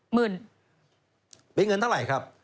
หมื่นเป็นเงินเท่าไหร่ครับ